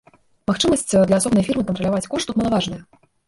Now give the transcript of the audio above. Магчымасць для асобнай фірмы кантраляваць кошт тут малаважная.